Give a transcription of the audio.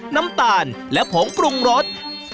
น้ำตาลและผงปรุงรส